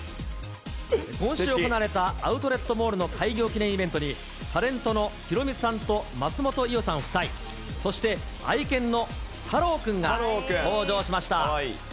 今週行われたアウトレットモールの開業記念イベントに、タレントのヒロミさんと松本伊代さん夫妻、そして愛犬のタロウくんが登場しました。